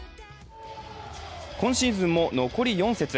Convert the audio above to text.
今シーズンも残り４節。